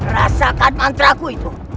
rasakan mantra ku itu